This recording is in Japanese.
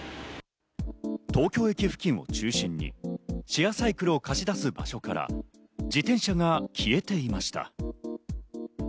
東京駅付近を中心にシェアサイクルを貸し出す場所から自転車が消えていました。